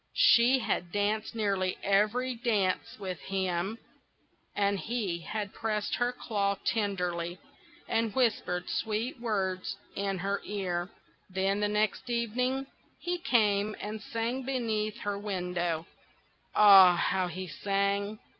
She had danced nearly every dance with him, and he had pressed her claw tenderly, and whispered sweet words in her ear. Then, the next evening, he came and sang beneath her window; ah, how he sang!